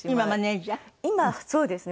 今そうですね。